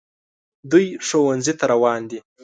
دوی ښوونځي ته روان دي